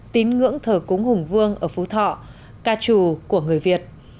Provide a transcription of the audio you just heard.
tín ngưỡng thờ cúng hùng vương ở phú thọ ca trù của người việt